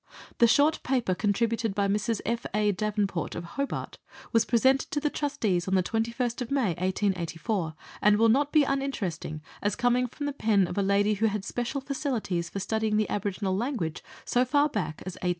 The short paper contributed by Mrs. F. A. Davenport, of Hobart, was presented to the Trustees on the 21st May 1884, and will not be uninteresting as coming from the pen of a lady who had special facilities for studying the aboriginal language so far back as 1842. T.